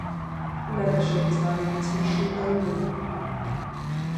Membership is by invitation only.